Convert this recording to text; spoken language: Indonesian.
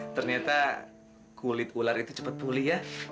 ternyata kulit ular itu cepat pulih ya